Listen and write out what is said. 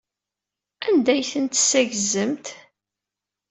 Anda ay tent-tessaggzemt?